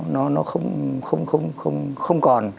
nó không còn